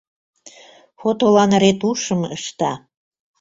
Фотолан ретушьым ышта.